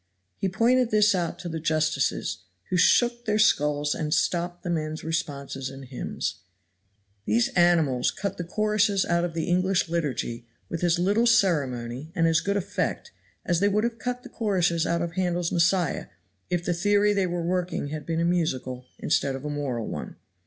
He pointed this out to the justices, who shook their skulls and stopped the men's responses and hymns. These animals cut the choruses out of the English liturgy with as little ceremony and as good effect as they would have cut the choruses out of Handel's "Messiah," if the theory they were working had been a musical instead of a moral one.